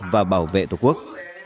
và bảo vệ tổ quốc